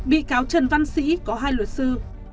bị cáo trần văn sĩ có hai luật sư